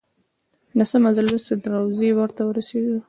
د څه مزل وروسته د روضې ور ته ورسېدو.